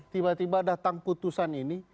tiba tiba datang putusan ini